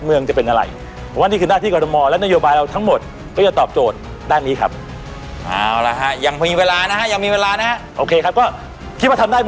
หรือจะเอาแค่นี้เลยครับก็ได้ครับโอเคจับแล้ว